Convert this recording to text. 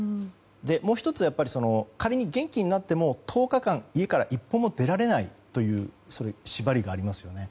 もう１つ仮に元気になっても１０日間家から一歩も出られないという縛りがありますよね。